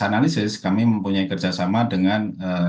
analisis kami mempunyai kerjasama dengan